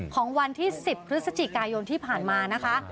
ของวันที่๑๐พฤศจิกายนที่ผ่านมานะคะ